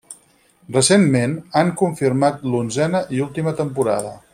Recentment, han confirmat l'onzena i última temporada.